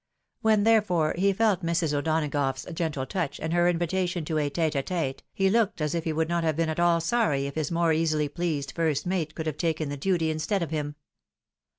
When, therefore, he felt Mrs. O'Donagough's gentle touch, and heard her invitation to a tete a tete, he looked as if he would not have been at all sorry if his more easily pleased first mate could have taken the duty instead of him.